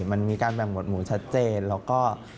มันมีการแบ่งหมดหมูชัดเจนแล้วก็